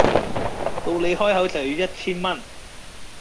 到你開口就要一千蚊